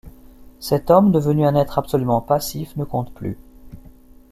Cet homme, devenu un être absolument passif, ne compte plus.